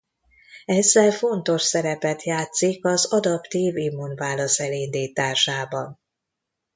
Ezzel fontos szerepet játszik az adaptív immunválasz elindításában.